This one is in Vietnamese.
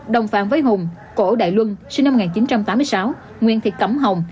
đồng phạm với hùng cổ đại luân sinh năm một nghìn chín trăm tám mươi sáu nguyễn thị cẩm hồng